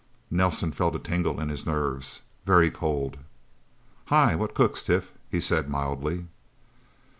Nelsen felt a tingle in his nerves very cold. "Hi what cooks, Tif?" he said mildly.